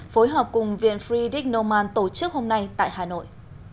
phối hợp cùng viện friedrich noman tổ chức hôm nay tại hà nội